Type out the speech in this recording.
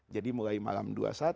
jadi mulai malam dua puluh satu